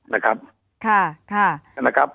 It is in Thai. นะครับ